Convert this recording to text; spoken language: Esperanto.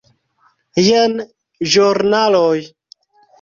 Jen ĵurnaloj.